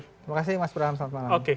terima kasih mas bram selamat malam